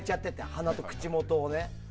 鼻と口元をね。